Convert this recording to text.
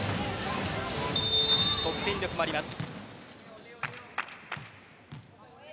得点力もあります。